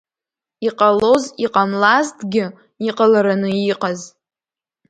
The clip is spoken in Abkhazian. Иҟалоз иҟамлазтгьы иҟалараны иҟаз.